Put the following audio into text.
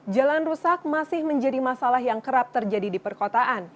jalan rusak masih menjadi masalah yang kerap terjadi di perkotaan